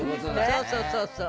そうそうそうそう。